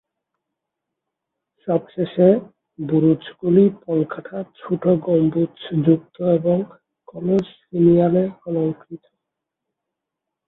সব শেষে বুরুজগুলি পলকাটা ছোট গম্বুজযুক্ত এবং কলস ফিনিয়ালে অলঙ্কৃত।